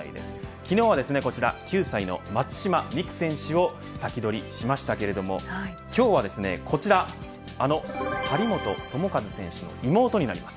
昨日はこちら、９歳の松島美空選手を先取りしましたが今日はこちらあの張本智和選手の妹になります。